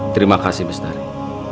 terima kasih bistari